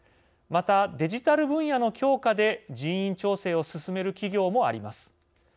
またデジタル分野の強化で人員調整を進める企業もあります。